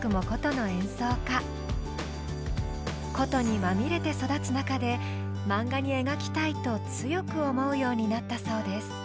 箏にまみれて育つ中でマンガに描きたいと強く思うようになったそうです。